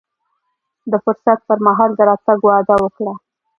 د فرصت پر مهال د راتګ وعده وکړه.